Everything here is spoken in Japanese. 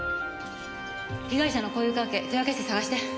被害者の交友関係手分けして探して。